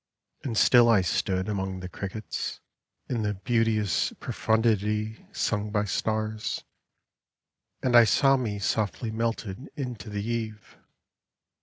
And still I stood Among the crickets, in the beateous profundity Sung by stars ; and I saw me Softly melted into the eve.